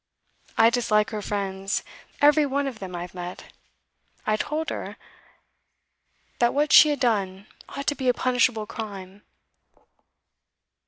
I dislike her friends, every one of them I've met. I told her that what she had done ought to be a punishable crime.